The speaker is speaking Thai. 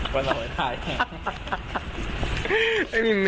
มันถ่ายอะไรพี่